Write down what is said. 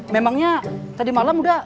memangnya tadi malam udah